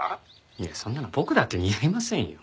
いやそんなの僕だって似合いませんよ。